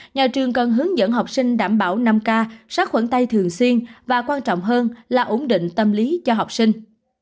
nhà trường cần hướng dẫn học sinh đảm bảo năm k sát khuẩn tay thường xuyên và quan trọng hơn là ổn định tâm lý cho học sinh